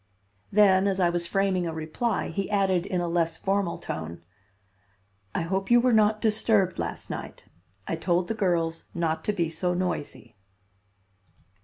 Then, as I was framing a reply, he added in a less formal tone: "I hope you were not disturbed last night. I told the girls not to be so noisy."